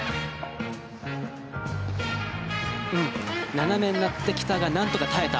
斜めになってきたがなんとか耐えた。